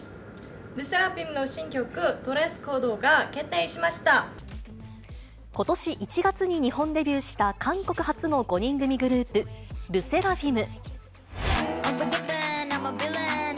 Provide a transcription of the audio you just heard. ＬＥＳＳＥＲＡＦＩＭの新ことし１月に日本デビューした韓国発の５人組グループ、ＬＥＳＳＥＲＡＦＩＭ。